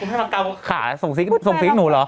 ท่านพระราชกาวขาส่งซิ้งส่งซิ้งหนูหรอ